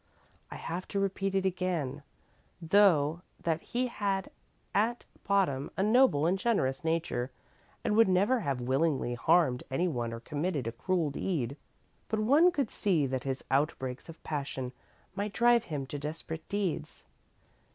I have to repeat again, though, that he had at bottom a noble and generous nature and would never have willingly harmed anyone or committed a cruel deed. But one could see that his outbreaks of passion might drive him to desperate deeds.